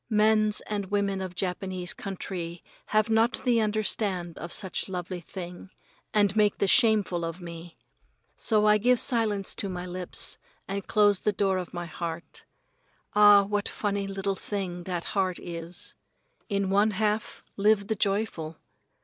Mens and women of Japanese country have not the understand of such lovely thing, and make the shameful of me. So I give silence to my lips and close the door of my heart. Ah, what funny little thing that heart is! In one half live the joyful.